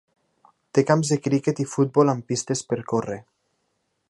Té camps de criquet i futbol amb pistes per córrer.